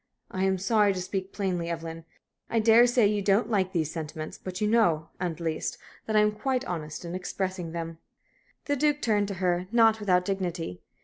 I am sorry to speak plainly, Evelyn. I dare say you don't like these sentiments, but you know, at least, that I am quite honest in expressing them." The Duke turned to her, not without dignity.